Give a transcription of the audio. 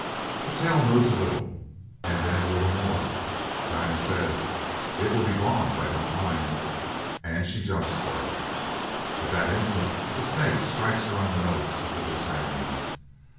The tail moves a little and then a little more. Dinah says, "It will be gone if I don't mind," and she jumps for it. At that instant the snake strikes her on the nose with his fangs.